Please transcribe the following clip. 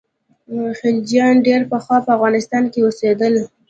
خلجیان ډېر پخوا په افغانستان کې اوسېدل.